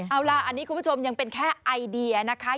เอาล่ะอันนี้คุณผู้ชมยังเป็นแค่ไอเดียนะคะ